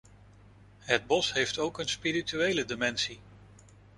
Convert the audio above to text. Het bos heeft ook een spirituele dimensie.